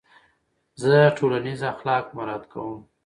زه ټولنیز اخلاق مراعت کوم.